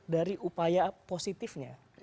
dari upaya positifnya